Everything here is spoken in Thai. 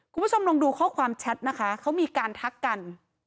คุณผู้ชมลองดูข้อความแชทนะคะเขามีการทักกัน